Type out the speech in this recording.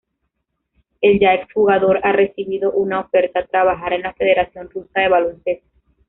El ya exjugador ha recibido una oferta trabajar en la Federación Rusa de Baloncesto.